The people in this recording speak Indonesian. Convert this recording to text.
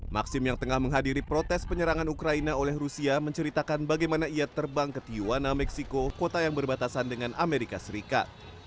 maxim yang tengah menghadiri protes penyerangan ukraina oleh rusia menceritakan bagaimana ia terbang ke tiuana meksiko kota yang berbatasan dengan amerika serikat